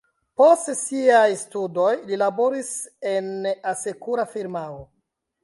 Post siaj studoj li laboris en asekura firmao.